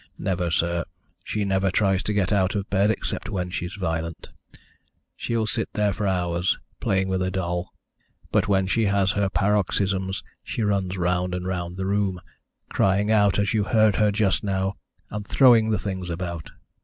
"Never, sir; she never tries to get out of bed except when she's violent. She will sit there for hours, playing with a doll, but when she has her paroxysms she runs round and round the room, crying out as you heard her just now, and throwing the things about.